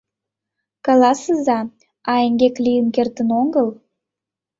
— Каласыза, а эҥгек лийын кертын огыл?